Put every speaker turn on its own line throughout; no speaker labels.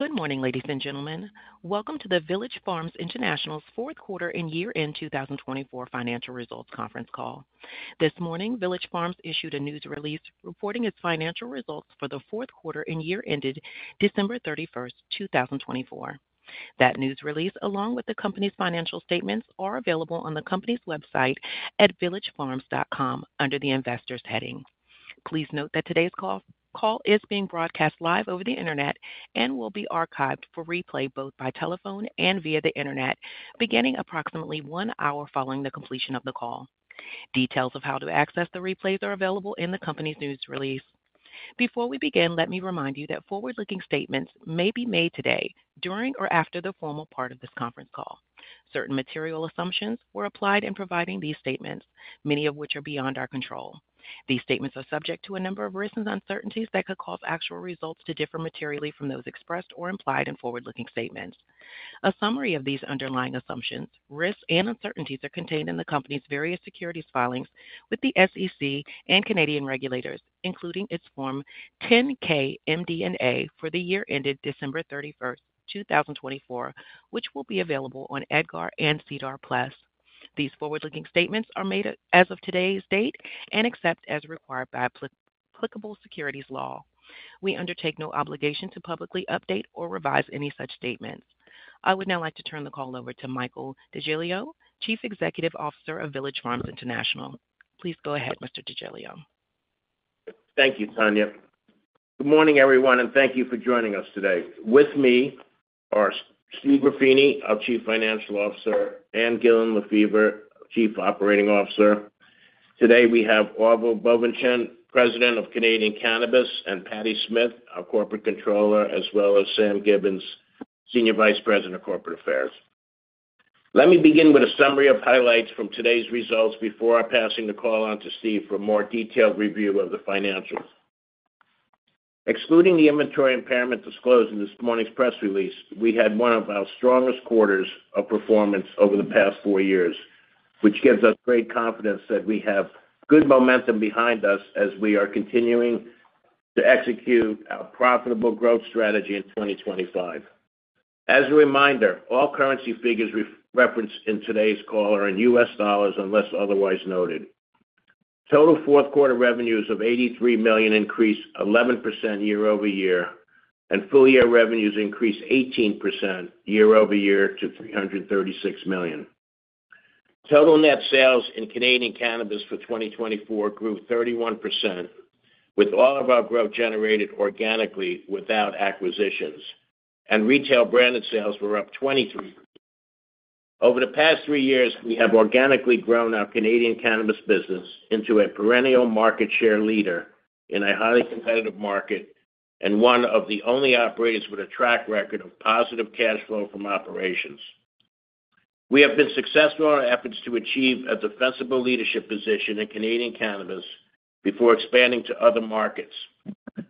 Good morning, ladies and gentlemen. Welcome to the Village Farms International's fourth quarter and year-end 2024 financial results conference call. This morning, Village Farms issued a news release reporting its financial results for the fourth quarter and year-ended December 31, 2024. That news release, along with the company's financial statements, are available on the company's website at villagefarms.com under the Investors heading. Please note that today's call is being broadcast live over the internet and will be archived for replay both by telephone and via the internet, beginning approximately one hour following the completion of the call. Details of how to access the replays are available in the company's news release. Before we begin, let me remind you that forward-looking statements may be made today, during, or after the formal part of this conference call. Certain material assumptions were applied in providing these statements, many of which are beyond our control. These statements are subject to a number of risks and uncertainties that could cause actual results to differ materially from those expressed or implied in forward-looking statements. A summary of these underlying assumptions, risks, and uncertainties are contained in the company's various securities filings with the SEC and Canadian regulators, including its Form 10-K MD&A for the year-ended December 31st, 2024, which will be available on EDGAR and SEDAR+. These forward-looking statements are made as of today's date and except as required by applicable securities law. We undertake no obligation to publicly update or revise any such statements. I would now like to turn the call over to Michael DeGiglio, Chief Executive Officer of Village Farms International. Please go ahead, Mr. DeGiglio.
Thank you, Tanya. Good morning, everyone, and thank you for joining us today. With me are Steve Ruffini, our Chief Financial Officer, and Ann Gillin Lefever, Chief Operating Officer. Today we have Orville Bovenschen, President of Canadian Cannabis, and Patty Smith, our Corporate Controller, as well as Sam Gibbons, Senior Vice President of Corporate Affairs. Let me begin with a summary of highlights from today's results before passing the call on to Steve for a more detailed review of the financials. Excluding the inventory impairment disclosed in this morning's press release, we had one of our strongest quarters of performance over the past four years, which gives us great confidence that we have good momentum behind us as we are continuing to execute our profitable growth strategy in 2025. As a reminder, all currency figures referenced in today's call are in U.S. dollars unless otherwise noted. Total fourth quarter revenues of 83 million increased 11% year-over-year, and full year revenues increased 18% year-over-year to 336 million. Total net sales in Canadian cannabis for 2024 grew 31%, with all of our growth generated organically without acquisitions, and retail branded sales were up 23%. Over the past three years, we have organically grown our Canadian cannabis business into a perennial market share leader in a highly competitive market and one of the only operators with a track record of positive cash flow from operations. We have been successful in our efforts to achieve a defensible leadership position in Canadian cannabis before expanding to other markets.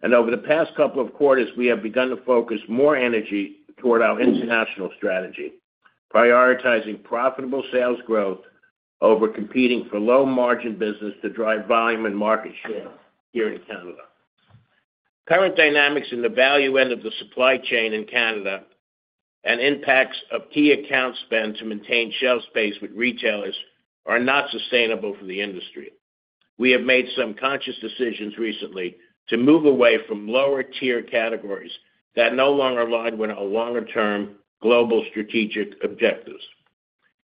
Over the past couple of quarters, we have begun to focus more energy toward our international strategy, prioritizing profitable sales growth over competing for low-margin business to drive volume and market share here in Canada. Current dynamics in the value end of the supply chain in Canada and impacts of key account spend to maintain shelf space with retailers are not sustainable for the industry. We have made some conscious decisions recently to move away from lower-tier categories that no longer align with our longer-term global strategic objectives.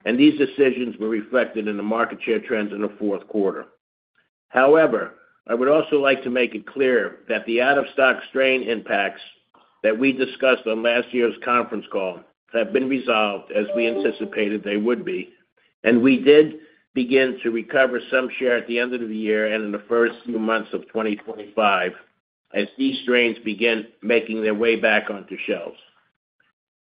These decisions were reflected in the market share trends in the fourth quarter. However, I would also like to make it clear that the out-of-stock strain impacts that we discussed on last year's conference call have been resolved as we anticipated they would be, and we did begin to recover some share at the end of the year and in the first few months of 2025 as these strains begin making their way back onto shelves.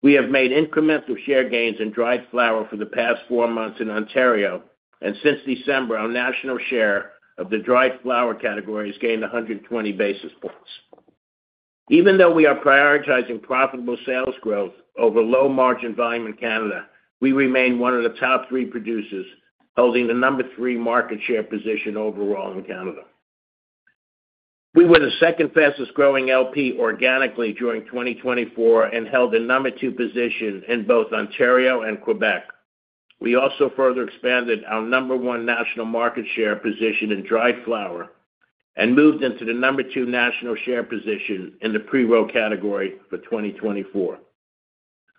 We have made incremental share gains in dried flower for the past four months in Ontario, and since December, our national share of the dried flower category has gained 120 basis points. Even though we are prioritizing profitable sales growth over low-margin volume in Canada, we remain one of the top three producers holding the number three market share position overall in Canada. We were the second fastest growing LP organically during 2024 and held the number two position in both Ontario and Quebec. We also further expanded our number one national market share position in dried flower and moved into the number two national share position in the pre-roll category for 2024.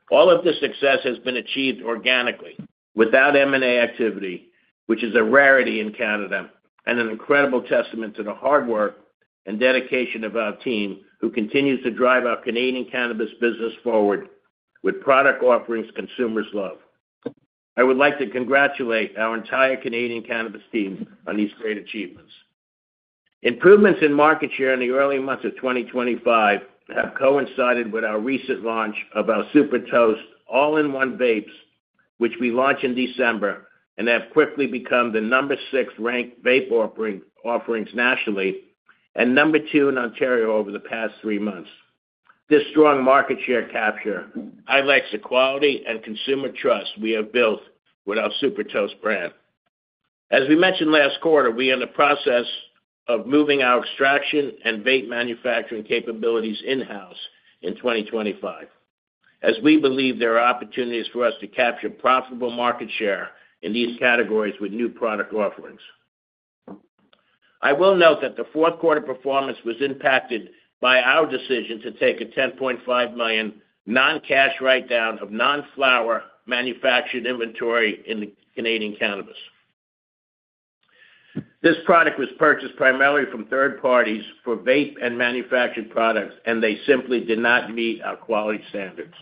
All of this success has been achieved organically, without M&A activity, which is a rarity in Canada, and an incredible testament to the hard work and dedication of our team who continues to drive our Canadian cannabis business forward with product offerings consumers love. I would like to congratulate our entire Canadian cannabis team on these great achievements. Improvements in market share in the early months of 2025 have coincided with our recent launch of our Super Toast All-In-One-Vapes, which we launched in December and have quickly become the number six ranked vape offerings nationally and number two in Ontario over the past three months. This strong market share capture highlights the quality and consumer trust we have built with our Super Toast brand. As we mentioned last quarter, we are in the process of moving our extraction and vape manufacturing capabilities in-house in 2025, as we believe there are opportunities for us to capture profitable market share in these categories with new product offerings. I will note that the fourth quarter performance was impacted by our decision to take a 10.5 million non-cash write-down of non-flower manufactured inventory in Canadian cannabis. This product was purchased primarily from third parties for vape and manufactured products, and they simply did not meet our quality standards.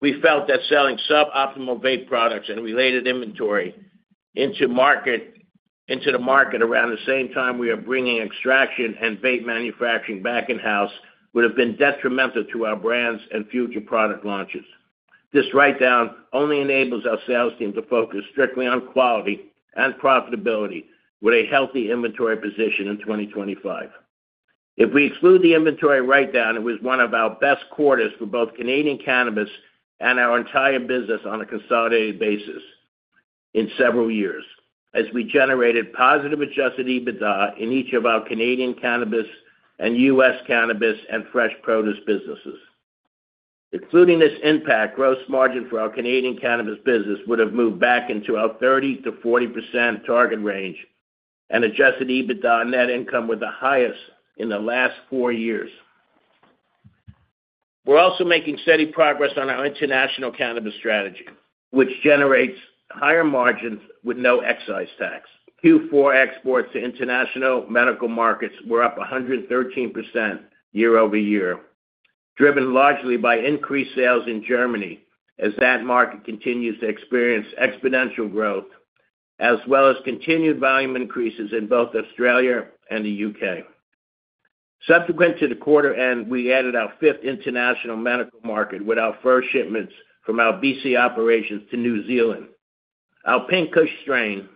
We felt that selling suboptimal vape products and related inventory into the market around the same time we are bringing extraction and vape manufacturing back in-house would have been detrimental to our brands and future product launches. This write-down only enables our sales team to focus strictly on quality and profitability with a healthy inventory position in 2025. If we exclude the inventory write-down, it was one of our best quarters for both Canadian cannabis and our entire business on a consolidated basis in several years, as we generated positive adjusted EBITDA in each of our Canadian cannabis and U.S. cannabis and fresh produce businesses. Excluding this impact, gross margin for our Canadian cannabis business would have moved back into our 30%-40% target range and adjusted EBITDA net income was the highest in the last four years. We are also making steady progress on our international cannabis strategy, which generates higher margins with no excise tax. Q4 exports to international medical markets were up 113% year-over-year, driven largely by increased sales in Germany as that market continues to experience exponential growth, as well as continued volume increases in both Australia and the U.K. Subsequent to the quarter end, we added our fifth international medical market with our first shipments from our BC operations to New Zealand. Our Pink Kush strain,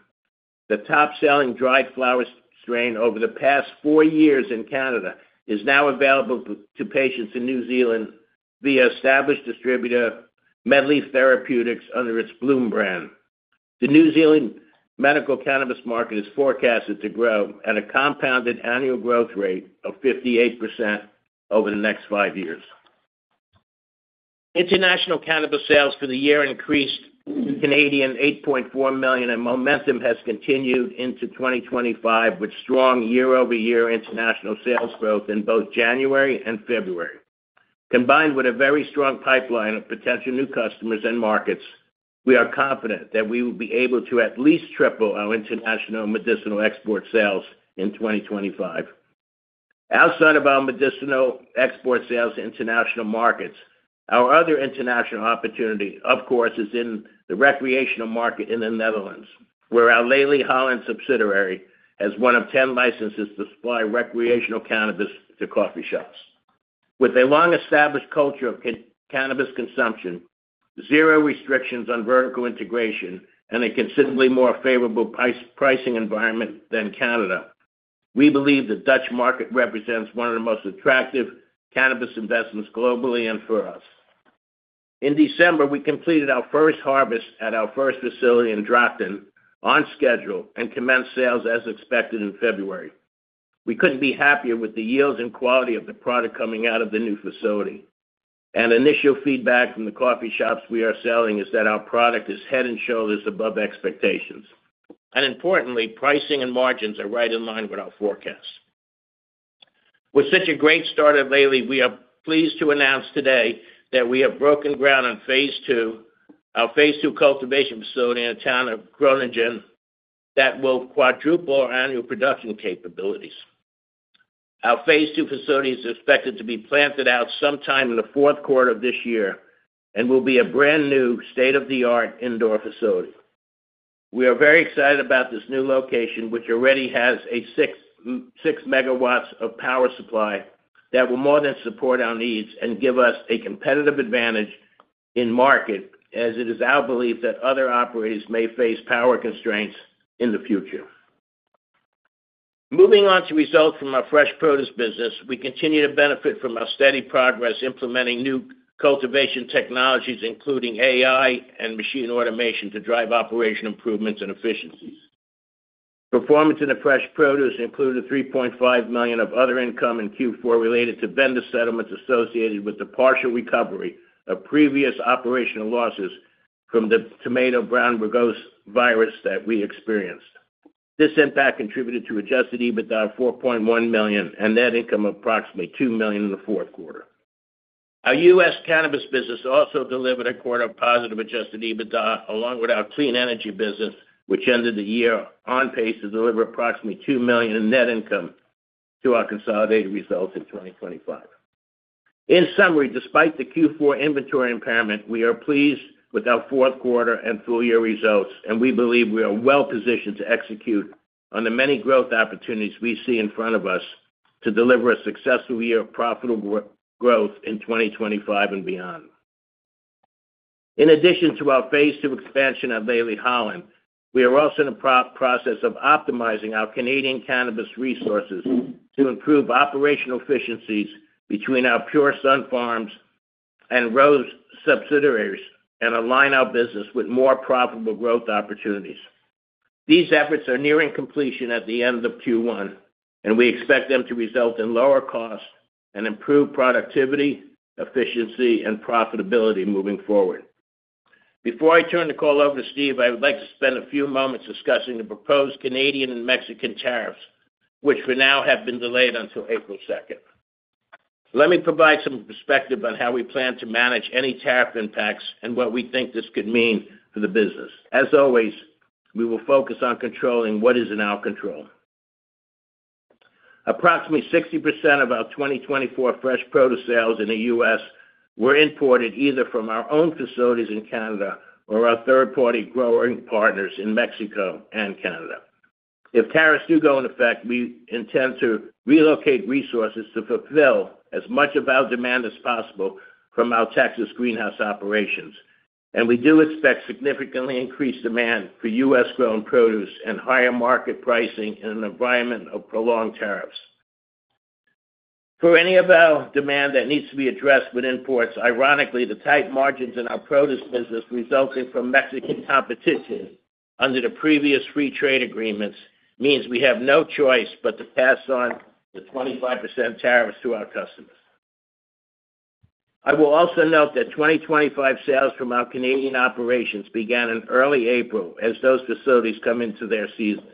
the top-selling dried flower strain over the past four years in Canada, is now available to patients in New Zealand via established distributor, Medleaf Therapeutics, under its Bloom brand. The New Zealand medical cannabis market is forecasted to grow at a compounded annual growth rate of 58% over the next five years. International cannabis sales for the year increased to 8.4 million, and momentum has continued into 2025 with strong year-over-year international sales growth in both January and February. Combined with a very strong pipeline of potential new customers and markets, we are confident that we will be able to at least triple our international medicinal export sales in 2025. Outside of our medicinal export sales to international markets, our other international opportunity, of course, is in the recreational market in the Netherlands, where our Leli Holland subsidiary has one of 10 licenses to supply recreational cannabis to coffee shops. With a long-established culture of cannabis consumption, zero restrictions on vertical integration, and a considerably more favorable pricing environment than Canada, we believe the Dutch market represents one of the most attractive cannabis investments globally and for us. In December, we completed our first harvest at our first facility in Drachten on schedule and commenced sales as expected in February. We could not be happier with the yields and quality of the product coming out of the new facility. Initial feedback from the coffee shops we are selling is that our product is head and shoulders above expectations. Importantly, pricing and margins are right in line with our forecast. With such a great start at Leli, we are pleased to announce today that we have broken ground on Phase 2, our Phase 2 cultivation facility in the town of Groningen that will quadruple our annual production capabilities. Our Phase 2 facility is expected to be planted out sometime in the fourth quarter of this year and will be a brand new state-of-the-art indoor facility. We are very excited about this new location, which already has a 6 MW power supply that will more than support our needs and give us a competitive advantage in market, as it is our belief that other operators may face power constraints in the future. Moving on to results from our fresh produce business, we continue to benefit from our steady progress implementing new cultivation technologies, including AI and machine automation, to drive operation improvements and efficiencies. Performance in the fresh produce included $3.5 million of other income in Q4 related to vendor settlements associated with the partial recovery of previous operational losses from the tomato brown rugose virus that we experienced. This impact contributed to adjusted EBITDA of $4.1 million and net income of approximately $2 million in the fourth quarter. Our U.S. cannabis business also delivered a quarter of positive adjusted EBITDA, along with our clean energy business, which ended the year on pace to deliver approximately $2 million in net income to our consolidated results in 2025. In summary, despite the Q4 inventory impairment, we are pleased with our fourth quarter and full year results, and we believe we are well positioned to execute on the many growth opportunities we see in front of us to deliver a successful year of profitable growth in 2025 and beyond. In addition to our Phase 2 expansion at Leli Holland, we are also in the process of optimizing our Canadian cannabis resources to improve operational efficiencies between our Pure Sunfarms and Rose subsidiaries and align our business with more profitable growth opportunities. These efforts are nearing completion at the end of Q1, and we expect them to result in lower costs and improved productivity, efficiency, and profitability moving forward. Before I turn the call over to Steve, I would like to spend a few moments discussing the proposed Canadian and Mexican tariffs, which for now have been delayed until April 2nd. Let me provide some perspective on how we plan to manage any tariff impacts and what we think this could mean for the business. As always, we will focus on controlling what is in our control. Approximately 60% of our 2024 fresh produce sales in the U.S. were imported either from our own facilities in Canada or our third-party growing partners in Mexico and Canada. If tariffs do go into effect, we intend to relocate resources to fulfill as much of our demand as possible from our Texas greenhouse operations. We do expect significantly increased demand for U.S.-grown produce and higher market pricing in an environment of prolonged tariffs. For any of our demand that needs to be addressed with imports, ironically, the tight margins in our produce business resulting from Mexican competition under the previous free trade agreements means we have no choice but to pass on the 25% tariffs to our customers. I will also note that 2025 sales from our Canadian operations began in early April as those facilities come into their season.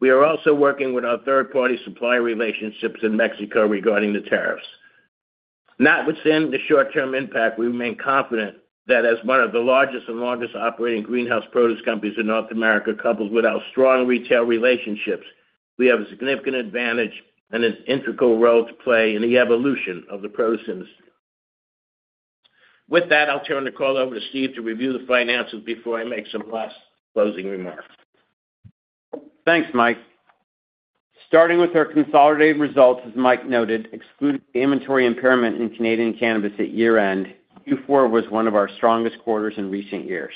We are also working with our third-party supplier relationships in Mexico regarding the tariffs. Notwithstanding the short-term impact, we remain confident that as one of the largest and longest operating greenhouse produce companies in North America, coupled with our strong retail relationships, we have a significant advantage and an integral role to play in the evolution of the produce industry. With that, I'll turn the call over to Steve to review the finances before I make some last closing remarks.
Thanks, Mike. Starting with our consolidated results, as Mike noted, excluding the inventory impairment in Canadian cannabis at year-end, Q4 was one of our strongest quarters in recent years.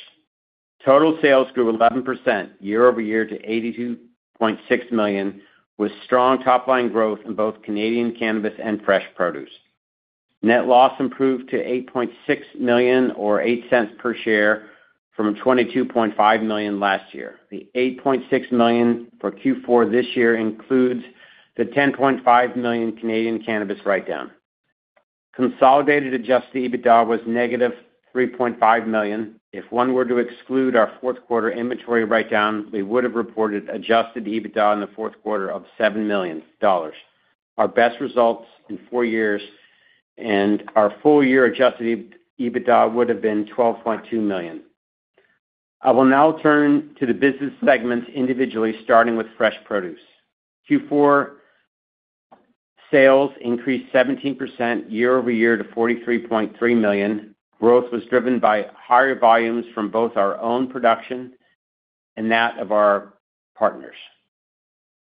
Total sales grew 11% year-over-year to $82.6 million, with strong top-line growth in both Canadian cannabis and fresh produce. Net loss improved to $8.6 million or $0.08 per share from $22.5 million last year. The 8.6 million for Q4 this year includes the 10.5 million Canadian cannabis write-down. Consolidated adjusted EBITDA was -$3.5 million. If one were to exclude our fourth quarter inventory write-down, we would have reported adjusted EBITDA in the fourth quarter of $7 million. Our best results in four years and our full year adjusted EBITDA would have been $12.2 million. I will now turn to the business segments individually, starting with fresh produce. Q4 sales increased 17% year-over-year to $43.3 million. Growth was driven by higher volumes from both our own production and that of our partners.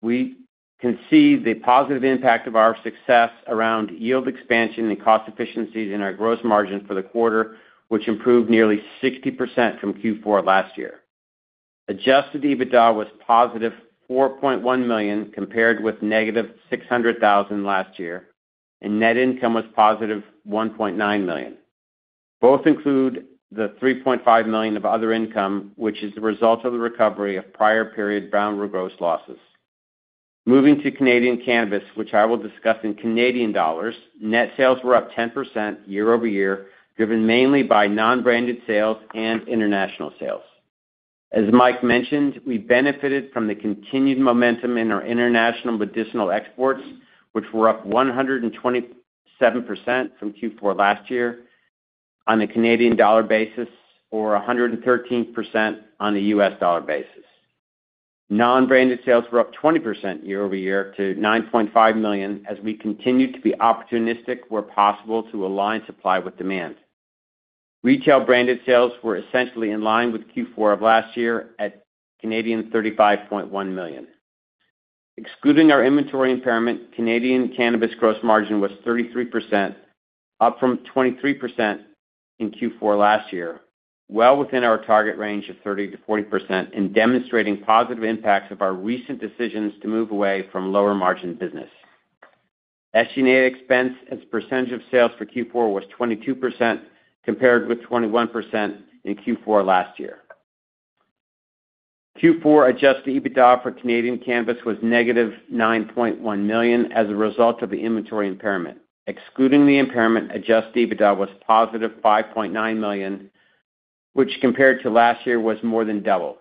We can see the positive impact of our success around yield expansion and cost efficiencies in our gross margin for the quarter, which improved nearly 60% from Q4 last year. Adjusted EBITDA was +$4.1 million compared with -$600,000 last year, and net income was +$1.9 million. Both include the $3.5 million of other income, which is the result of the recovery of prior period brown rugose losses. Moving to Canadian cannabis, which I will discuss in Canadian dollars, net sales were up 10% year-over-year, driven mainly by non-branded sales and international sales. As Mike mentioned, we benefited from the continued momentum in our international medicinal exports, which were up 127% from Q4 last year on the Canadian dollar basis or 113% on the U.S. Dollar basis. Non-branded sales were up 20% year-over-year to 9.5 million as we continued to be opportunistic where possible to align supply with demand. Retail branded sales were essentially in line with Q4 of last year at 35.1 million. Excluding our inventory impairment, Canadian cannabis gross margin was 33%, up from 23% in Q4 last year, well within our target range of 30%-40%, and demonstrating positive impacts of our recent decisions to move away from lower margin business. Estimated expense as percentage of sales for Q4 was 22% compared with 21% in Q4 last year. Q4 adjusted EBITDA for Canadian cannabis was -$9.1 million as a result of the inventory impairment. Excluding the impairment, adjusted EBITDA was +$5.9 million, which compared to last year was more than double.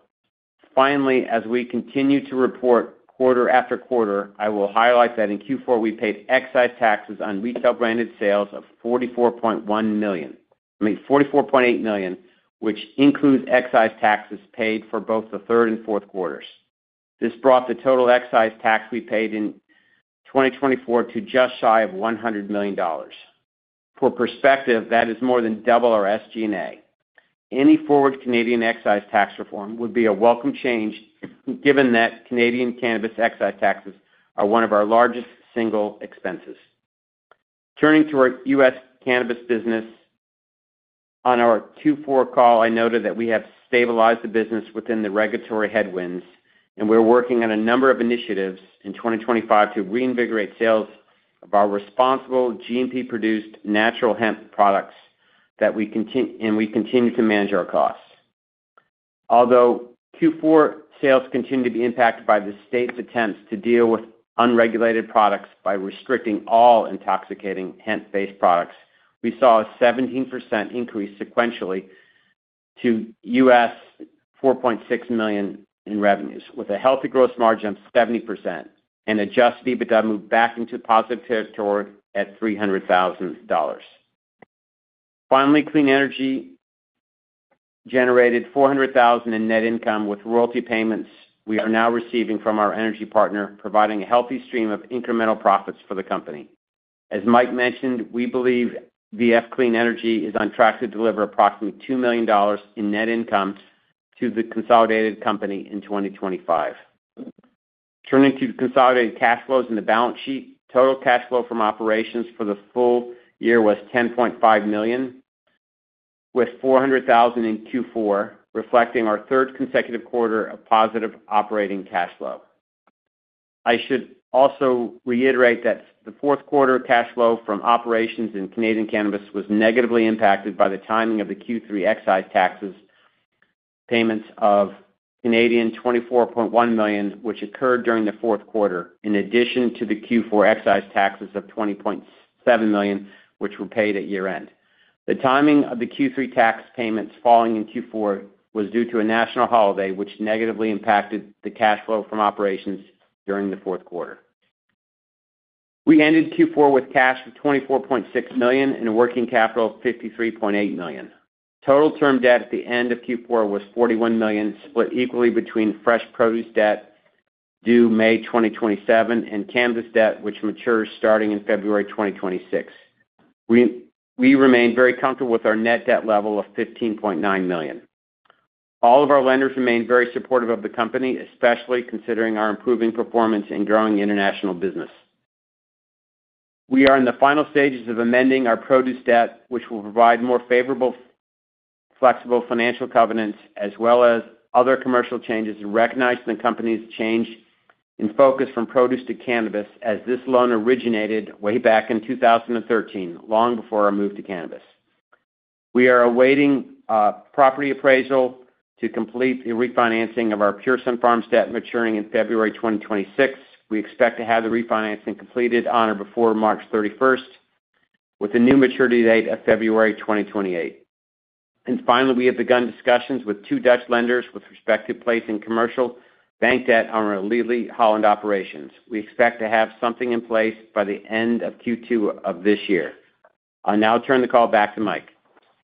Finally, as we continue to report quarter after quarter, I will highlight that in Q4 we paid excise taxes on retail branded sales of $44.8 million, which includes excise taxes paid for both the third and fourth quarters. This brought the total excise tax we paid in 2024 to just shy of $100 million. For perspective, that is more than double our SG&A. Any forward Canadian excise tax reform would be a welcome change given that Canadian cannabis excise taxes are one of our largest single expenses. Turning to our U.S. cannabis business, on our Q4 call, I noted that we have stabilized the business within the regulatory headwinds, and we're working on a number of initiatives in 2025 to reinvigorate sales of our responsible GMP-produced natural hemp products that we continue to manage our costs. Although Q4 sales continue to be impacted by the state's attempts to deal with unregulated products by restricting all intoxicating hemp-based products, we saw a 17% increase sequentially to $4.6 million in revenues, with a healthy gross margin of 70%, and adjusted EBITDA moved back into positive territory at $300,000. Finally, clean energy generated $400,000 in net income with royalty payments we are now receiving from our energy partner, providing a healthy stream of incremental profits for the company. As Mike mentioned, we believe VF Clean Energy is on track to deliver approximately $2 million in net income to the consolidated company in 2025. Turning to consolidated cash flows in the balance sheet, total cash flow from operations for the full year was $10.5 million, with $400,000 in Q4, reflecting our third consecutive quarter of positive operating cash flow. I should also reiterate that the fourth quarter cash flow from operations in Canadian cannabis was negatively impacted by the timing of the Q3 excise tax payments of 24.1 million Canadian dollars, which occurred during the fourth quarter, in addition to the Q4 excise tax of 20.7 million, which were paid at year-end. The timing of the Q3 tax payments falling in Q4 was due to a national holiday, which negatively impacted the cash flow from operations during the fourth quarter. We ended Q4 with 24.6 million cash and a working capital of 53.8 million. Total term debt at the end of Q4 was 41 million, split equally between fresh produce debt due May 2027 and cannabis debt, which matures starting in February 2026. We remained very comfortable with our net debt level of 15.9 million. All of our lenders remained very supportive of the company, especially considering our improving performance in growing international business. We are in the final stages of amending our produce debt, which will provide more favorable flexible financial covenants as well as other commercial changes and recognize the company's change in focus from produce to cannabis as this loan originated way back in 2013, long before our move to cannabis. We are awaiting property appraisal to complete the refinancing of our Pure Sunfarms debt maturing in February 2026. We expect to have the refinancing completed on or before March 31st, with a new maturity date of February 2028. Finally, we have begun discussions with two Dutch lenders with respect to placing commercial bank debt on our Leli Holland operations. We expect to have something in place by the end of Q2 of this year. I'll now turn the call back to Mike.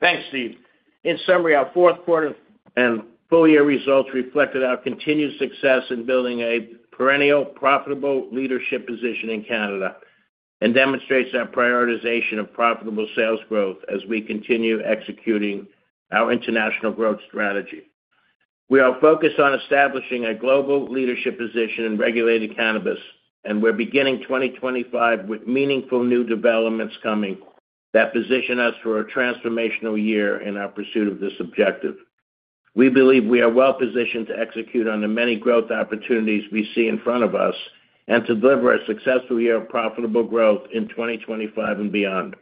Thanks, Steve. In summary, our fourth quarter and full year results reflected our continued success in building a perennial profitable leadership position in Canada and demonstrates our prioritization of profitable sales growth as we continue executing our international growth strategy. We are focused on establishing a global leadership position in regulated cannabis, and we're beginning 2025 with meaningful new developments coming that position us for a transformational year in our pursuit of this objective. We believe we are well positioned to execute on the many growth opportunities we see in front of us and to deliver a successful year of profitable growth in 2025 and beyond.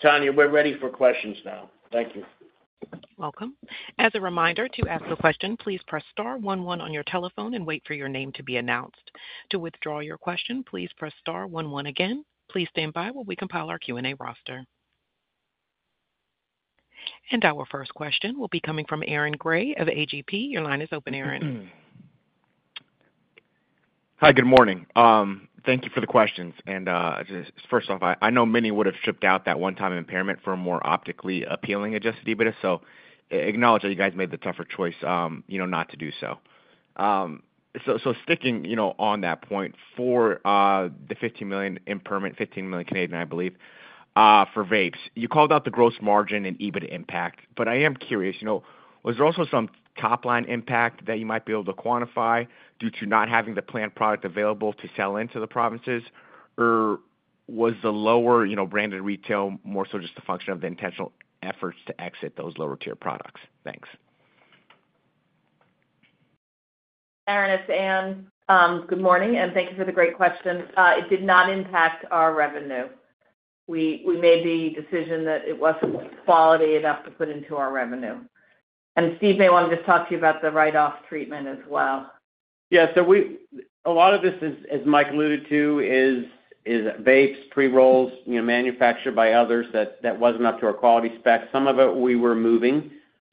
Tanya, we're ready for questions now. Thank you. Welcome.
As a reminder, to ask a question, please press star one one on your telephone and wait for your name to be announced. To withdraw your question, please press star one one again. Please stand by while we compile our Q&A roster. Our first question will be coming from Aaron Gray of AGP. Your line is open, Aaron.
Hi, good morning. Thank you for the questions. First off, I know many would have shipped out that one-time impairment for a more optically appealing adjusted EBITDA, so acknowledge that you guys made the tougher choice not to do so. Sticking on that point, for the 15 million impairment, 15 million, I believe, for vapes, you called out the gross margin and EBITDA impact, but I am curious, was there also some top-line impact that you might be able to quantify due to not having the plant product available to sell into the provinces, or was the lower branded retail more so just a function of the intentional efforts to exit those lower-tier products? Thanks.
Aaron, it's Ann. Good morning, and thank you for the great question. It did not impact our revenue. We made the decision that it was not quality enough to put into our revenue. Steve may want to just talk to you about the write-off treatment as well.
Yeah. A lot of this, as Mike alluded to, is vapes, pre-rolls manufactured by others that were not up to our quality specs. Some of it we were moving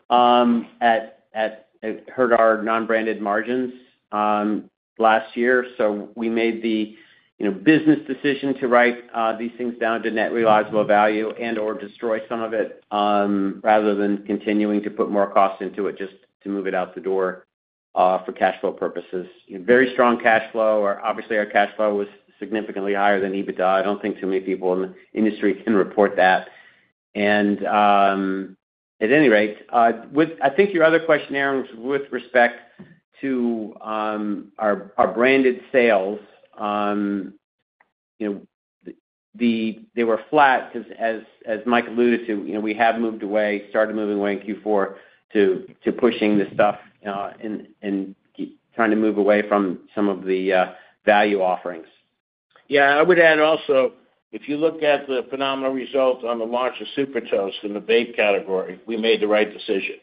and it hurt our non-branded margins last year. We made the business decision to write these things down to net realizable value and/or destroy some of it rather than continuing to put more cost into it just to move it out the door for cash flow purposes. Very strong cash flow. Obviously, our cash flow was significantly higher than EBITDA. I do not think too many people in the industry can report that. At any rate, I think your other question, Aaron, was with respect to our branded sales. They were flat because, as Mike alluded to, we have moved away, started moving away in Q4 to pushing this stuff and trying to move away from some of the value offerings. I would add also, if you look at the phenomenal results on the launch of Super Toast in the vape category, we made the right decision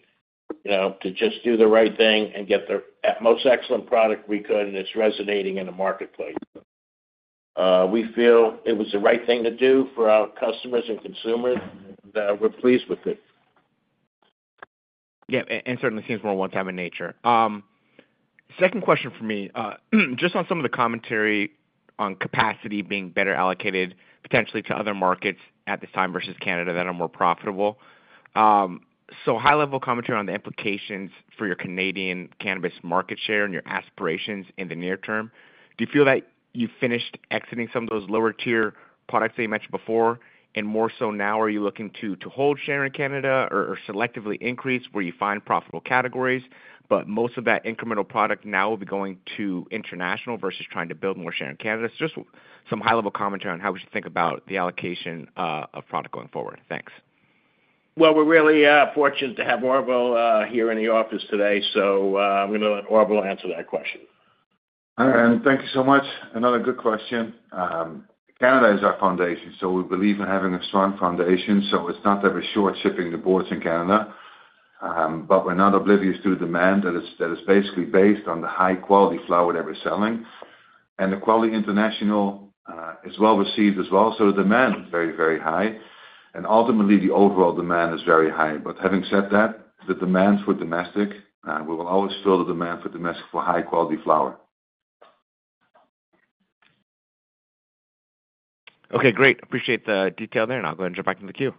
to just do the right thing and get the most excellent product we could, and it's resonating in the marketplace. We feel it was the right thing to do for our customers and consumers that we're pleased with it. It certainly seems more one-time in nature.
Second question for me, just on some of the commentary on capacity being better allocated potentially to other markets at this time versus Canada that are more profitable. High-level commentary on the implications for your Canadian cannabis market share and your aspirations in the near term. Do you feel that you finished exiting some of those lower-tier products that you mentioned before and more so now, are you looking to hold share in Canada or selectively increase where you find profitable categories, but most of that incremental product now will be going to international versus trying to build more share in Canada? Just some high-level commentary on how we should think about the allocation of product going forward. Thanks.
We are really fortunate to have Orville here in the office today, so I'm going to let Orville answer that question.
Hi, Aaron. Thank you so much. Another good question. Canada is our foundation, so we believe in having a strong foundation. It is not that we're short shipping the boards in Canada, but we're not oblivious to the demand that is basically based on the high-quality flower that we're selling. The quality international is well received as well, so the demand is very, very high. Ultimately, the overall demand is very high. Having said that, the demand for domestic, we will always fill the demand for domestic for high-quality flower.
Okay. Great. Appreciate the detail there, and I'll go ahead and jump back into the queue.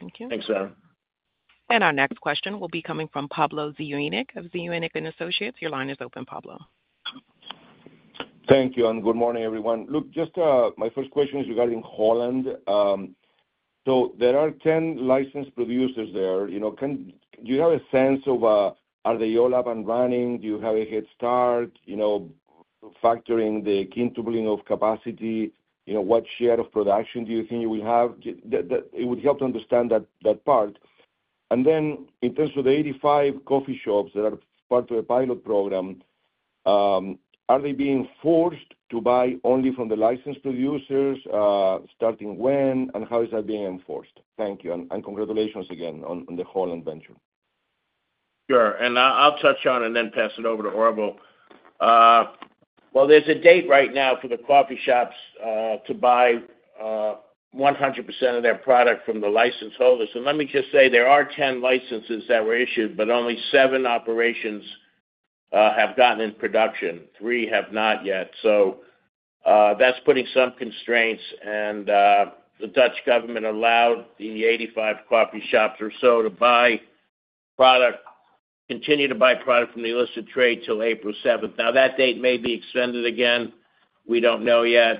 Thank you.
Thanks, Aaron.
Our next question will be coming from Pablo Zuanic of Zuanic & Associates. Your line is open, Pablo.
Thank you, and good morning, everyone. Look, just my first question is regarding Holland. There are 10 licensed producers there. Do you have a sense of are they all up and running? Do you have a head start? Factoring the quintupling of capacity, what share of production do you think you will have? It would help to understand that part. In terms of the 85 coffee shops that are part of the pilot program, are they being forced to buy only from the licensed producers? Starting when? How is that being enforced? Thank you. Congratulations again on the Holland venture.
Sure. I'll touch on and then pass it over to Orville. There is a date right now for the coffee shops to buy 100% of their product from the license holders. Let me just say there are 10 licenses that were issued, but only seven operations have gotten in production. Three have not yet. That is putting some constraints. The Dutch government allowed the 85 coffee shops or so to continue to buy product from the illicit trade till April 7th. That date may be extended again. We do not know yet.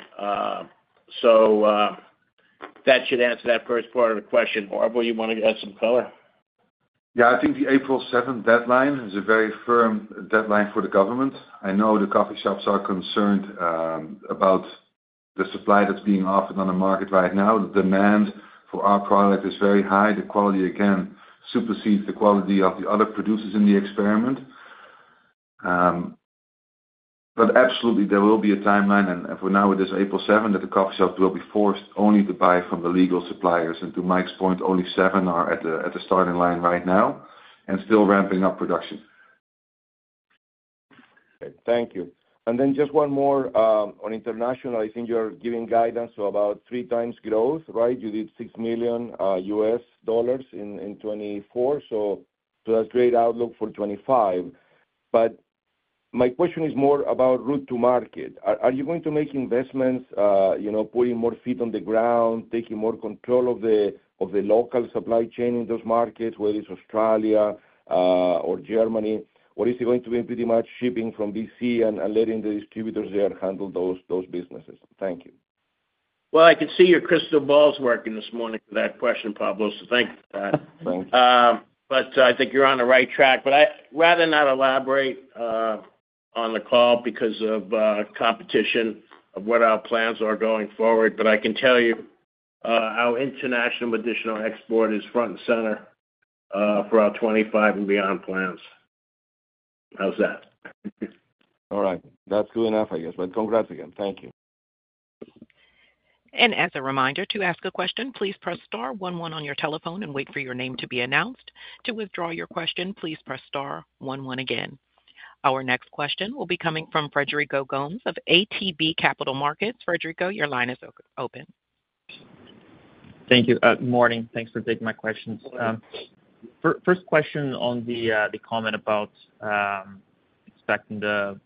That should answer that first part of the question. Orville, you want to add some color?
Yeah. I think the April 7th deadline is a very firm deadline for the government. I know the coffee shops are concerned about the supply that is being offered on the market right now. The demand for our product is very high. The quality, again, supersedes the quality of the other producers in the experiment. Absolutely, there will be a timeline. For now, it is April 7th that the coffee shops will be forced only to buy from the legal suppliers. To Mike's point, only seven are at the starting line right now and still ramping up production.
Thank you. Just one more on international. I think you're giving guidance of about three times growth, right? You did $6 million in 2024, so that's great outlook for 2025. My question is more about route to market. Are you going to make investments, putting more feet on the ground, taking more control of the local supply chain in those markets, whether it's Australia or Germany? Or is it going to be pretty much shipping from BC and letting the distributors there handle those businesses? Thank you.
I could see your crystal balls working this morning for that question, Pablo, so thank you for that. Thank you. I think you're on the right track. But I'd rather not elaborate on the call because of competition of what our plans are going forward. I can tell you our international additional export is front and center for our 2025 and beyond plans. How's that?
All right. That's good enough, I guess. Congrats again. Thank you.
As a reminder to ask a question, please press star one one on your telephone and wait for your name to be announced. To withdraw your question, please press star one one again. Our next question will be coming from Frederico Gomes of ATB Capital Markets. Frederico, your line is open.
Thank you. Good morning. Thanks for taking my questions. First question on the comment about expecting the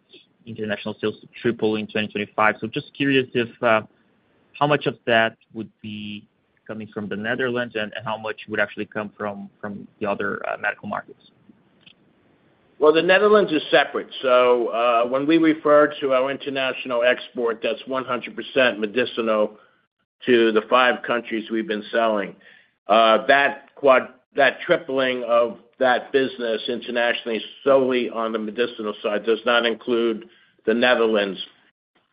international sales to triple in 2025. Just curious if how much of that would be coming from the Netherlands and how much would actually come from the other medical markets?
The Netherlands is separate. When we refer to our international export, that is 100% medicinal to the five countries we have been selling. That tripling of that business internationally solely on the medicinal side does not include the Netherlands,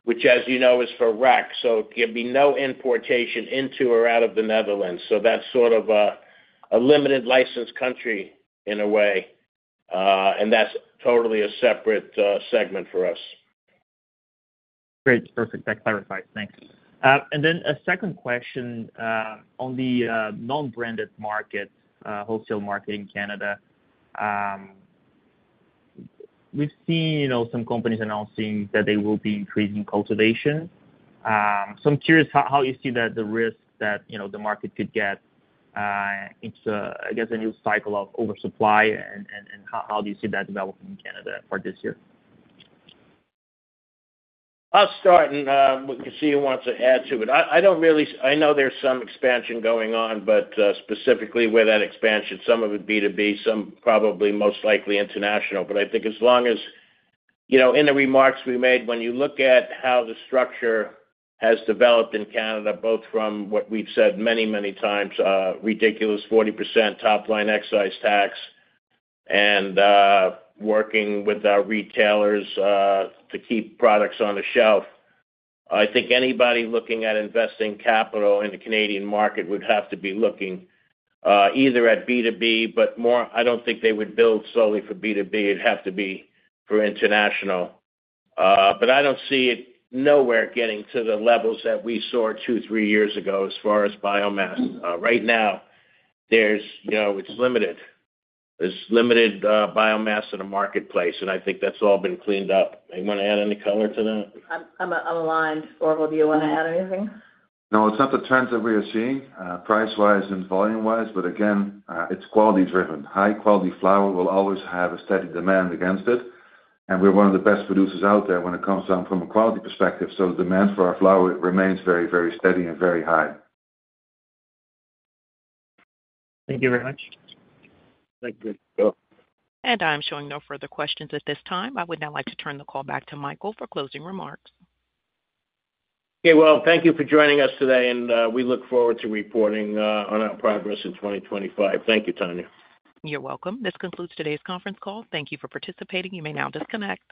which, as you know, is for rec. There will be no importation into or out of the Netherlands. That is sort of a limited license country in a way, and that is totally a separate segment for us.
Great. Perfect. That clarifies. Thanks. A second question on the non-branded market, wholesale market in Canada. We have seen some companies announcing that they will be increasing cultivation. I am curious how you see the risk that the market could get into, I guess, a new cycle of oversupply, and how you see that developing in Canada for this year.
I will start, and we can see who wants to add to it. I know there's some expansion going on, but specifically where that expansion, some of it B2B, some probably most likely international. I think as long as in the remarks we made, when you look at how the structure has developed in Canada, both from what we've said many, many times, ridiculous 40% top-line excise tax, and working with our retailers to keep products on the shelf, I think anybody looking at investing capital in the Canadian market would have to be looking either at B2B, but I don't think they would build solely for B2B. It'd have to be for international. I don't see it nowhere getting to the levels that we saw two, three years ago as far as biomass. Right now, it's limited. There's limited biomass in the marketplace, and I think that's all been cleaned up. Anyone add any color to that? I'm aligned.
Orville, do you want to add anything?
No, it's not the trends that we are seeing, price-wise and volume-wise, but again, it's quality-driven. High-quality flower will always have a steady demand against it. And we're one of the best producers out there when it comes down from a quality perspective. So the demand for our flower remains very, very steady and very high.
Thank you very much.
Thank you.
And I'm showing no further questions at this time. I would now like to turn the call back to Michael for closing remarks.
Okay. Thank you for joining us today, and we look forward to reporting on our progress in 2025. Thank you, Tanya.
You're welcome. T his concludes today's conference call. Thank you for participating. You may now disconnect.